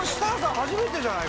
初めてじゃない？